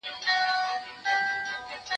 یو نن نه دی زه به څو ځلي راځمه